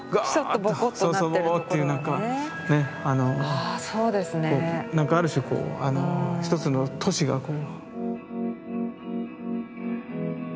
あそうですね。何かある種こう一つの都市がこう。